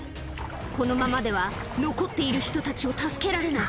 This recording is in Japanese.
このままでは、残っている人たちを助けられない。